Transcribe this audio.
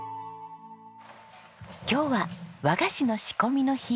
今日は和菓子の仕込みの日。